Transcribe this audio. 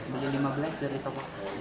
beli lima belas dari toko